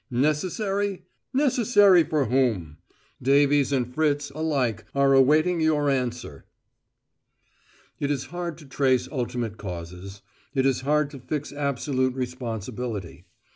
Necessary? Necessary for whom? Davies and Fritz alike are awaiting your answer. It is hard to trace ultimate causes. It is hard to fix absolute responsibility.